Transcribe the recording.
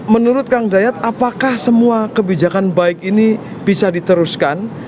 menurut kang dayat apakah semua kebijakan baik ini bisa diteruskan